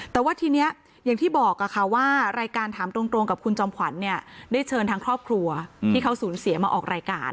แต่ว่าทีนี้อย่างที่บอกค่ะว่ารายการถามตรงกับคุณจอมขวัญเนี่ยได้เชิญทางครอบครัวที่เขาสูญเสียมาออกรายการ